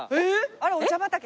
あれお茶畑？